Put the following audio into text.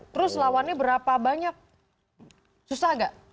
terus lawannya berapa banyak susah nggak